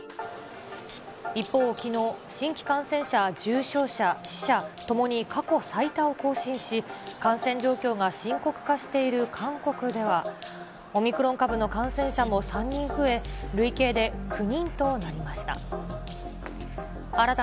一方、きのう、新規感染者、重症者、死者、ともに過去最多を更新し、感染状況が深刻化している韓国では、オミクロン株の感染者も３人増え、累計で９人となりました。